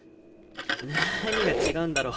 なにが違うんだろ？